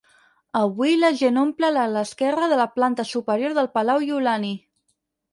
Avui la gent omple l'ala esquerra de la planta superior del Palau Iolani.